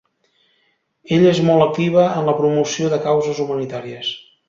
Ella és molt activa en la promoció de causes humanitàries.